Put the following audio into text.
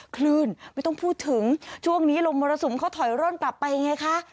คลื่นไม่ต้องพูดถึงช่วงนี้ลมมรสุมเขาถอยร่นกลับไปไงคะ